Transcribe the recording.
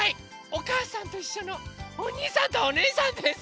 「おかあさんといっしょ」のおにいさんとおねえさんです。